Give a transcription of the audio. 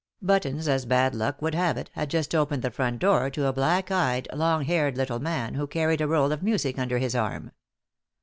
Buttons, as bad luck would have it, had just opened the front door to a black eyed, long haired little man, who carried a roll of music under his arm.